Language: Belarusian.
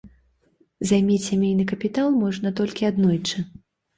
Займець сямейны капітал можна толькі аднойчы.